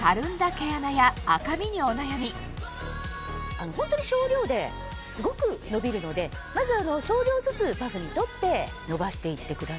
毛穴や赤みにお悩みホントに少量ですごくのびるのでまず少量ずつパフに取ってのばしていってください。